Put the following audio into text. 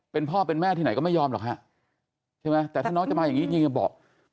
เป็นพ่อเป็นแม่ที่ไหนก็ไม่ยอมหรอกฮะใช่ไหมแต่ถ้าน้องจะมาอย่างนี้จริงยังบอก